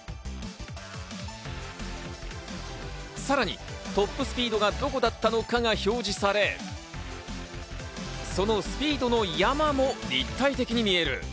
さらにトップスピードがどこだったのかが表示され、そのスピードの山も立体的に見える。